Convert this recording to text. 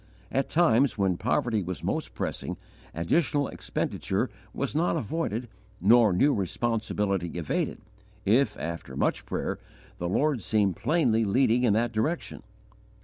At times when poverty was most pressing, additional expenditure was not avoided nor new responsibility evaded if, after much prayer, the Lord seemed plainly leading in that direction.